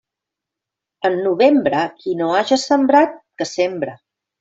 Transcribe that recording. En novembre, qui no haja sembrat, que sembre.